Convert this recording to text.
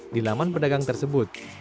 di laman pedagang tersebut